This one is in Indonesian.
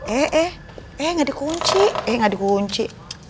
eh eh eh gak ada kunci eh gak ada kunci